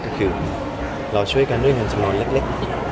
ก็คือเราช่วยกันด้วยเงินจำนวนเล็ก